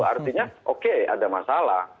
artinya oke ada masalah